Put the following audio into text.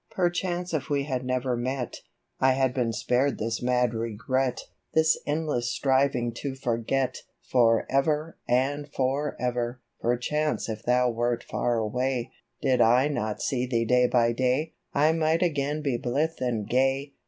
Perchance if we had never met, I had been spared this mad regret, This endless striving to forget, For ever and for ever ! Perchance if thou wert far away, Did I not see thee day by day, I might again be blithe and gay. For ever and for ever !